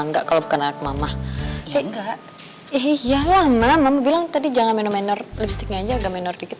gak perlu kita main main lipsticknya aja agak minor dikit